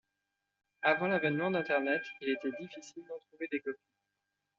Avant l'avènement d'Internet, il était difficile d'en trouver des copies.